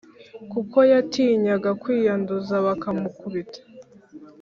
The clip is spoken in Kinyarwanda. kuko yatinyaga kwiyanduza bakamukubita